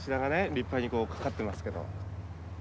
立派にこう掛かってますけど。